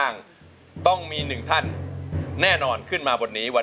นี่แหละค่ะ